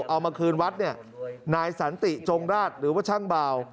เอามาคืนวัดเนี่ยนายสันติจงราชหรือว่าช่างบ่าว